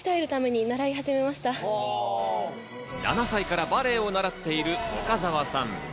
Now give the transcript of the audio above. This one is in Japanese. ７歳からバレエを習っている岡澤さん。